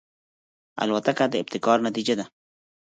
الوتکه د ابتکار نتیجه ده.